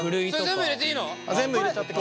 それ全部入れていいの？